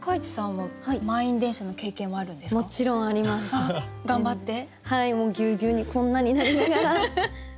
はいもうぎゅうぎゅうにこんなになりながら。